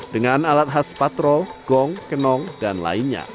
dengan alat khas patrol gong kenong dan lainnya